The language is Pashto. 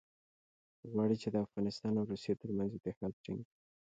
غواړي چې د افغانستان او روسیې ترمنځ اتحاد ټینګ کړي.